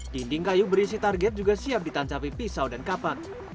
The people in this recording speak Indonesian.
dinding kayu berisi target juga siap ditancapi pisau dan kapan